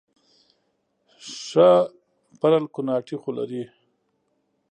ښه پرل کوناټي خو لري